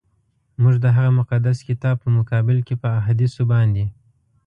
موږ د هغه مقدس کتاب په مقابل کي په احادیثو باندي.